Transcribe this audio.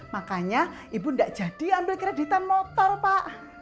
makanya ibu enggak jadi ambil kreditan motor pak